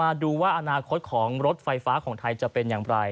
มาดูว่าอนาคตของรถไฟฟ้าของไทยจะเป็นอย่างไร